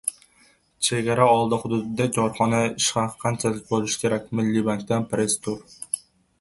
Chegara oldi hududidagi korxonada ish haqi qancha bo‘lishi kerak? Milliy bankdan press-tur